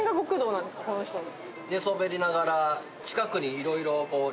この人の。